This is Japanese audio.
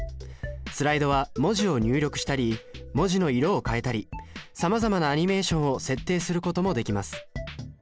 スライドは文字を入力したり文字の色を変えたりさまざまなアニメーションを設定することもできます